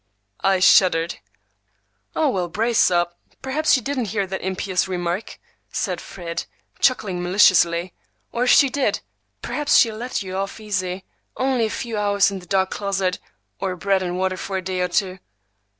I shuddered. "Oh, well, brace up! Perhaps she didn't hear that impious remark," said Fred, chuckling maliciously. "Or if she did, perhaps she'll let you off easy: only a few hours in the dark closet, or bread and water for a day or two."